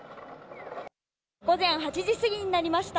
午前８時過ぎになりました。